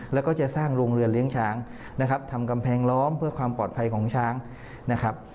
แล้วก็จะสร้างโรงเรือนเลี้ยงช้างนะครับทำกำแพงล้อมเพื่อความปลอดภัยของช้างนะครับ